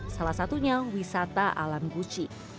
salah satunya wisata alam gucci